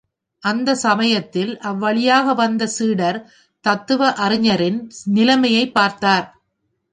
அந்தச் சமயத்தில் அவ்வழியாக வந்த சீடர் தத்துவ அறிஞரின் நிலைமையைப் பார்த்தார்.